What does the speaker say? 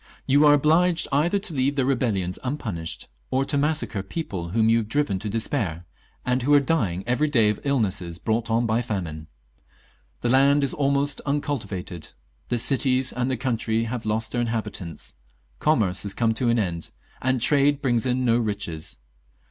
You are obliged either to leave their rebellions unpunished, or to massacre people whom you have driven to despair, and who are dying every day of iUnesses brought on by famine. The land is almost uncultivated ; the cities and the country have lost their inhabitants, commerce has come to an end, and trade brings in no riches."